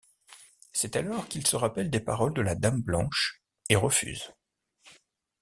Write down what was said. C'est alors qu'il se rappelle des paroles de la Dame blanche et refuse.